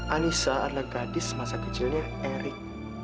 anissa adalah gadis masa kecilnya erik